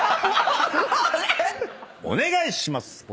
お願いします！